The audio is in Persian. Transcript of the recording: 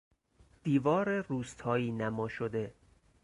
دیوار روستایینما شده